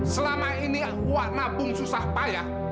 selama ini wah nabung susah payah